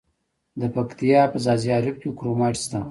د پکتیا په ځاځي اریوب کې کرومایټ شته.